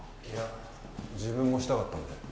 いや自分もしたかったんで。